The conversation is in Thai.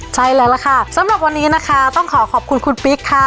ใช่แล้วล่ะค่ะสำหรับวันนี้นะคะต้องขอขอบคุณคุณปิ๊กค่ะ